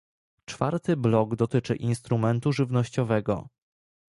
Czwarty blok dotyczy instrumentu żywnościowego